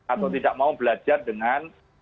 atau tidak mau belajar dengan